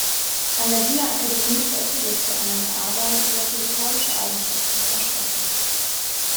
An der Wiener Akademie veröffentlichte er eine Arbeit über physikalische Eigenschaften von Stoffen.